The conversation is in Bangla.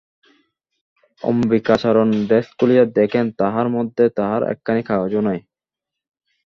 অম্বিকাচরণ ডেস্ক খুলিয়া দেখেন তাহার মধ্যে তাঁহার একখানি কাগজও নাই।